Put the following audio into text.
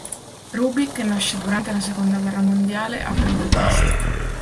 Rubik nasce durante la Seconda guerra mondiale a Budapest.